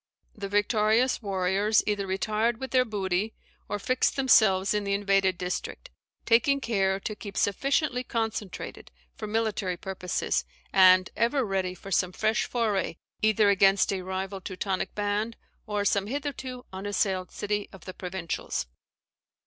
The victorious warriors either retired with their booty, or fixed themselves in the invaded district, taking care to keep sufficiently concentrated for military purposes, and ever ready for some fresh foray, either against a rival Teutonic band, or some hitherto unassailed city of the provincials.